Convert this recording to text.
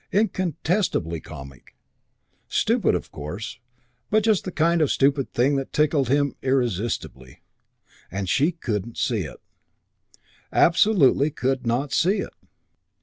Incontestably comic. Stupid, of course, but just the kind of stupid thing that tickled him irresistibly. And she couldn't see it. Absolutely could not see it.